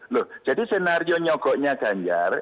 loh jadi senarionya nyokoknya ganjar